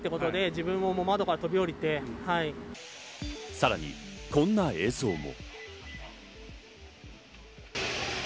さらにこんな映像も。